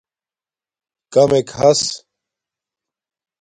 کمک ہس